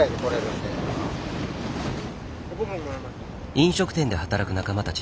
飲食店で働く仲間たち。